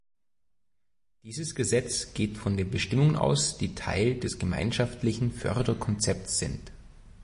Dieses Gesetz geht von den Bestimmungen aus, die Teil des Gemeinschaftlichen Förderkonzepts sind.